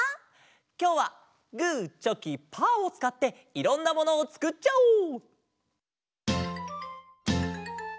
きょうはグーチョキパーをつかっていろんなものをつくっちゃおう。